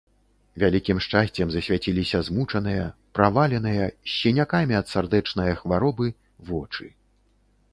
Вялікім шчасцем засвяціліся змучаныя, праваленыя, з сінякамі ад сардэчнае хваробы вочы.